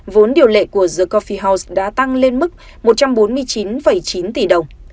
vốn điều lệ của the cophe house đã tăng lên mức một trăm bốn mươi chín chín tỷ đồng